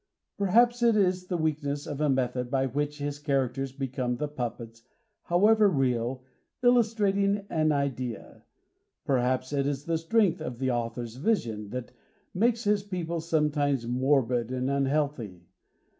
Perhaps it is the weakness of a method by which his characters become the puppets—however real—illustrating an idea; perhaps it is the strength of the author's vision, that makes his people sometimes morbid and unhealthy.